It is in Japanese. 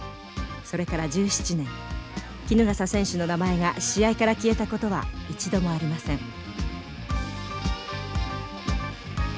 それから１７年衣笠選手の名前が試合から消えたことは一度もありません。